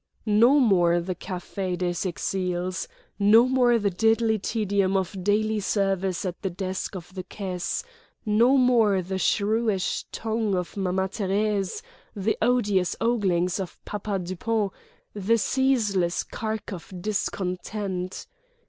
No more the Café des Exiles, no more the deadly tedium of daily service at the desk of the caisse, no more the shrewish tongue of Mama Thérèse, the odious oglings of Papa Dupont, the ceaseless cark of discontent....